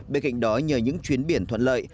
bên cạnh đó nhờ những chuyến biển thuận lợi